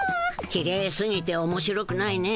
きれいすぎておもしろくないね。